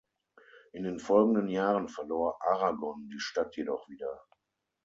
In den folgenden Jahren verlor Aragon die Stadt jedoch wieder.